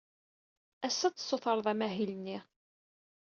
Ass-a, ad tessured amahil-nni.